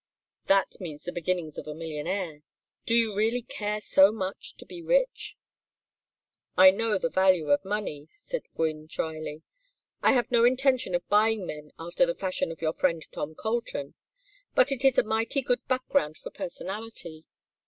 "That means the beginnings of a millionaire. Do you really care so much to be rich?" "I know the value of money," said Gwynne, dryly. "I have no intention of buying men after the fashion of your friend Tom Colton, but it is a mighty good background for personality.